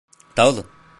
Dağılın.